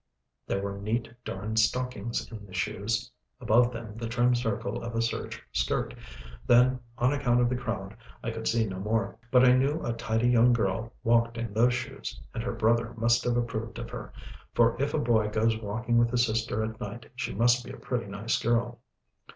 There were neat, darned stockings in the shoes, above them the trim circle of a serge skirt, then, on account of the crowd, I could see no more. But I knew a tidy young girl walked in those shoes, and her brother must have approved of her, for if a boy goes walking with his sister at night, she must be a pretty nice girl.